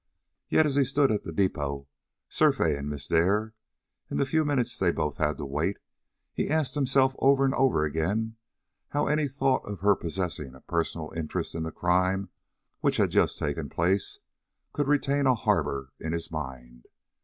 Yet, as he stood at the depot surveying Miss Dare, in the few minutes they both had to wait, he asked himself over and over again how any thought of her possessing a personal interest in the crime which had just taken place could retain a harbor in his mind.